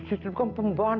saya gak sengaja